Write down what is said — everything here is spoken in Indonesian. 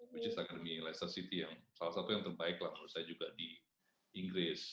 which is academy leicester city yang salah satu yang terbaik lah menurut saya juga di inggris